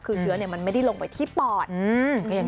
คือเชื้อมันไม่ได้ลงไปที่ปอด